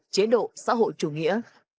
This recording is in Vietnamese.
chế độ xã hội chủ nghĩa